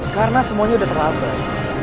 karena semuanya udah terlambat